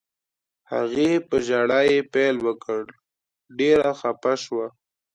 هغې په ژړا یې پیل وکړ، ډېره خفه شوه.